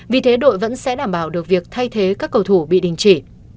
vì thế đội vẫn sẽ đảm bảo được việc thay thế các cầu thủ bị đình chỉ